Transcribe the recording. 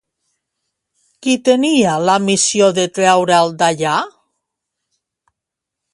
Qui tenia la missió de treure'l d'allà?